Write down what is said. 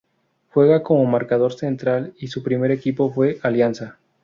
Juega como marcador central y su primer equipo fue Alianza.